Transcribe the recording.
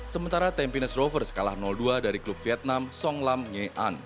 sementara tampines rovers kalah dua dari klub vietnam song lam nge an